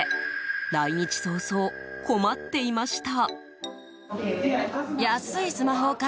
来日早々、困っていました。